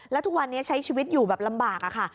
แล้วทุกวันนี้ใช้ชีวิตอยู่แบบลำบากค่ะ